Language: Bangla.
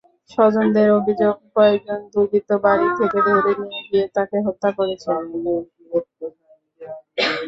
স্বজনদের অভিযোগ, কয়েকজন দুর্বৃত্ত বাড়ি থেকে ধরে নিয়ে গিয়ে তাঁকে হত্যা করেছে।